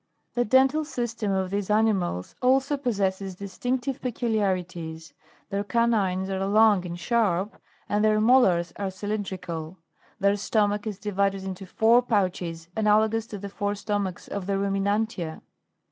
4. The dental system of these animals also possesses distinctive peculiarities ; their canines are long and sharp, and their molars are cylindrical. Their stomach is divided into four pouches analogous to the four stomachs of the Ruminantia.